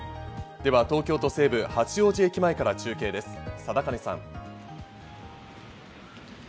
では東京都西部・八王子駅前から中継です、貞包さん。